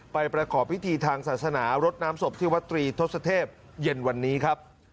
ประกอบพิธีทางศาสนารดน้ำศพที่วัตรีทศเทพเย็นวันนี้ครับ